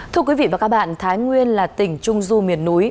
thưa quý vị và các bạn thái nguyên là tỉnh trung du miền núi